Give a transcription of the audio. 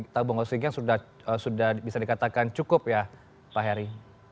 tabung oksigen sudah bisa dikatakan cukup ya pak heri